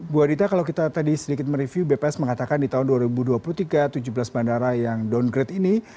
bu adita kalau kita tadi sedikit mereview bps mengatakan di tahun dua ribu dua puluh tiga tujuh belas bandara yang downgrade ini